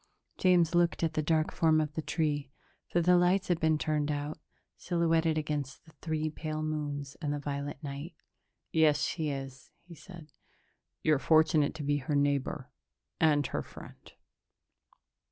James looked at the dark form of the tree for the lights had been turned out silhouetted against the three pale moons and the violet night. "Yes, she is," he said. "You're fortunate to be her neighbor ... and her friend."